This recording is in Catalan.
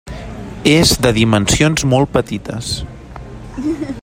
És de dimensions molt petites.